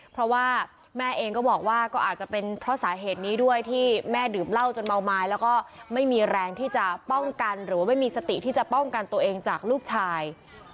เพราะว่าแม่เองก็บอกว่าก็อาจจะเป็นเพราะสาเหตุนี้ด้วยที่แม่ดื่มเหล้าจนเมาไม้แล้วก็ไม่มีแรงที่จะป้องกันหรือว่าไม่มีสติที่จะป้องกันตัวเองจากลูกชาย